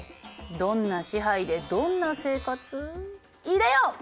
どんな支配でどんな生活いでよ！